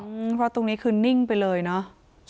เพราะตรงนี้คือนิ่งไปเลยเนอะ